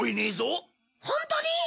ホントに！？